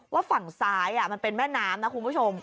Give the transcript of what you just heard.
ว่าฝั่งซ้ายมันเป็นแม่น้ำนะคุณผู้ชม